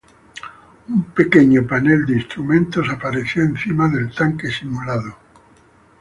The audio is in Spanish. Un pequeño panel de instrumentos apareció encima del tanque simulado.